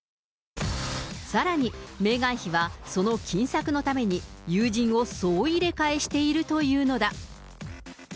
さらに、メーガン妃はその金策のために、友人を総入れ替えしているというのだ。